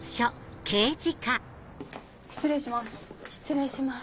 失礼します。